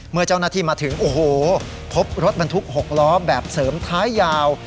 เมื่อเจ้าหน้าที่มาถึงโอ้โหพบรถบรรทุก๖ล้อแบบเสริมท้ายยาว